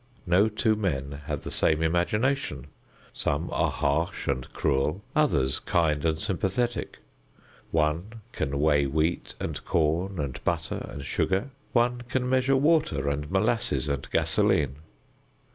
No two men have the same imagination: some are harsh and cruel; others kind and sympathetic; one can weigh wheat and corn and butter and sugar; one can measure water and molasses and gasoline.